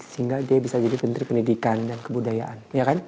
sehingga dia bisa jadi menteri pendidikan dan kebudayaan